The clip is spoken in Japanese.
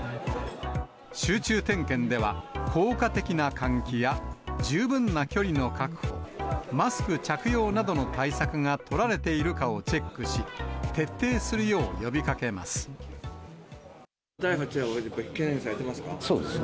集中点検では、効果的な換気や、十分な距離の確保、マスク着用などの対策が取られているかをチェックし、徹底するよう呼びかけます。